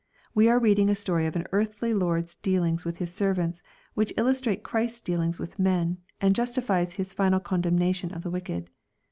We are reading a story of an earthly lord's dealings with his servants, which illustrates Christ's dealings with men, and jus tifies His final condemnation of the wicked.